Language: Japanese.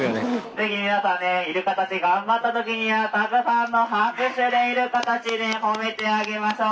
「是非皆さんねイルカたち頑張った時にはたくさんの拍手でイルカたちね褒めてあげましょう」。